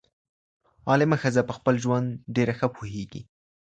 عالمه ښځه پخپل ژوند ډيره ښه پوهيږي